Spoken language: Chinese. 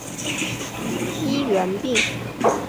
医源病。